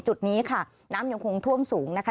จุดนี้ค่ะน้ำยังคงท่วมสูงนะคะ